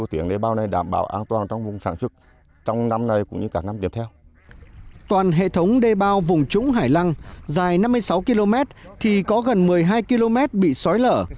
toàn hệ thống đê bao vùng trũng hải lăng dài năm mươi sáu km thì có gần một mươi hai km bị sói lở